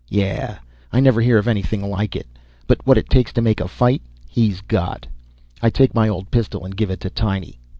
Yeah, I never hear of anything like it. But what it takes to make a fight he's got. I take my old pistol and give it to Tiny.